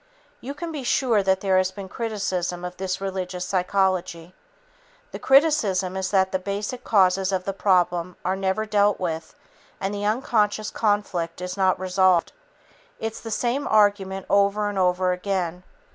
You can be sure that there has been criticism of this religious psychology. The criticism is that the basic causes of the problem are never dealt with and the unconscious conflict is not resolved. It's the same argument over and over again.